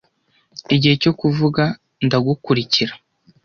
igihe cyo kuvuga ndagukurikira